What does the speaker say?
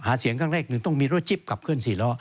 หาเสียงกลางแรกหนึ่งต้องมีรถจิ๊บกลับเคลื่อนสี่ล่อ